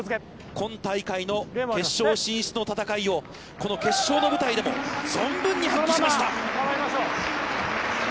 今大会の決勝進出の戦いをこの決勝の舞台でも存分に発揮しました。